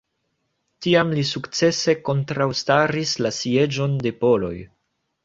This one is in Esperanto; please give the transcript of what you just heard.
Tiam li sukcese kontraŭstaris la sieĝon de poloj.